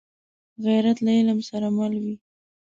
غیرت له علم سره مل وي